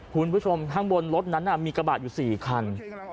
คุณผู้ชมข้างบนรถนั้นมีกระบะอยู่๔คัน